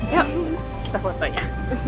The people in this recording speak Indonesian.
yuk kita fotonya